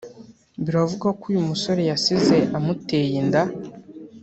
biravugwa ko uyu musore yasize amuteye inda